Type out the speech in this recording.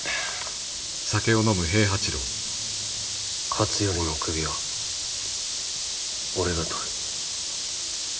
勝頼の首は俺が取る。